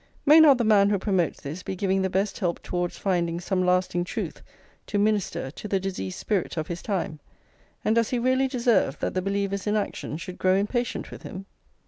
May not the man who promotes this be giving the best help towards finding some lasting truth to minister to the diseased spirit of his time, and does he really deserve that the believers in action should grow impatient with him?